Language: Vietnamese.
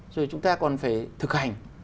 rồi chúng ta còn phải thực hành